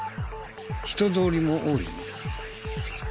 人通りも多い。